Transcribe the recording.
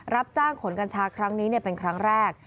รับจ้างขนกัญชาครั้งนี้เป็นครั้งแรก